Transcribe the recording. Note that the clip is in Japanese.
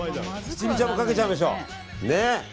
七味ちゃんもかけちゃいましょう。